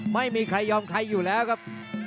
ไม่มีใครยอมใครอยู่แล้วครับ